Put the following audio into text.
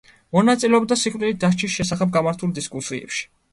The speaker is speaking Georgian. მონაწილეობდა სიკვდილით დასჯის შესახებ გამართულ დისკუსიებში.